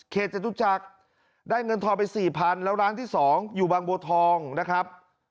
จตุจักรได้เงินทองไป๔๐๐๐แล้วร้านที่๒อยู่บางบัวทองนะครับ